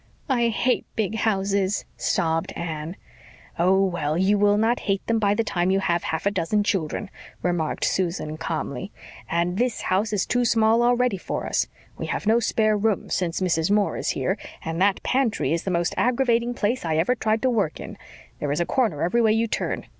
"I hate big houses," sobbed Anne. "Oh, well, you will not hate them by the time you have half a dozen children," remarked Susan calmly. "And this house is too small already for us. We have no spare room, since Mrs. Moore is here, and that pantry is the most aggravating place I ever tried to work in. There is a corner every way you turn.